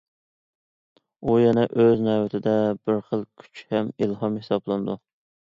ئۇ يەنە ئۆز نۆۋىتىدە بىر خىل كۈچ ھەم ئىلھام ھېسابلىنىدۇ.